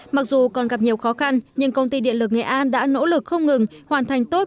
mặc dù còn gặp nhiều khó khăn nhưng công ty điện lực nghệ an đã nỗ lực không ngừng hoàn thành tốt